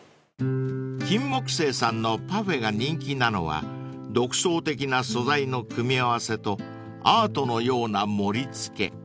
［金木犀さんのパフェが人気なのは独創的な素材の組み合わせとアートのような盛り付け］